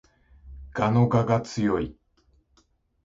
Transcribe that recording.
蛾の我が強い